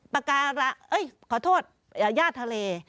ปาการังขอโทษย่าทะเล